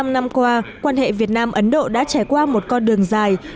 bảy mươi năm năm qua quan hệ việt nam ấn độ đã trải qua một con đường dài